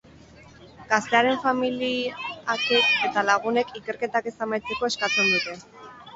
Gaztearen familiakek eta lagunek ikerketak ez amaitzeko eskatzen dute.